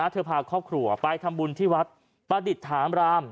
พาครอบครัวไปทำบุญที่วัดประดิษฐามราม